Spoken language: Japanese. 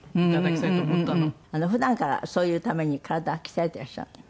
普段からそういうために体は鍛えていらっしゃるの？